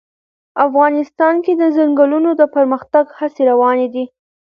افغانستان کې د ځنګلونه د پرمختګ هڅې روانې دي.